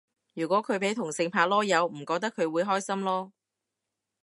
如果佢俾同性拍籮柚唔覺佢會開心囉